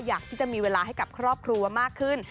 อยากที่จะมีเวลาให้กับครอบครัวมากขึ้น